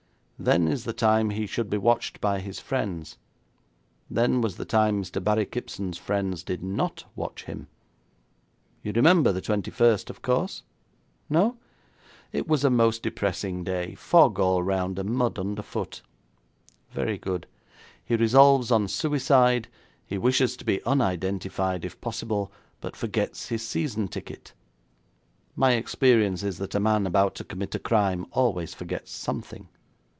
Then is the time he should be watched by his friends. Then was the time Mr. Barrie Kipson's friends did not watch him. You remember the 21st, of course. No? It was a most depressing day. Fog all around and mud under foot. Very good. He resolves on suicide. He wishes to be unidentified, if possible, but forgets his season ticket. My experience is that a man about to commit a crime always forgets something.'